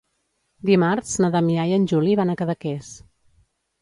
Dimarts na Damià i en Juli van a Cadaqués.